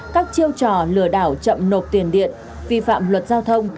các chiêu trò lừa đảo chậm nộp tiền điện vi phạm luật giao thông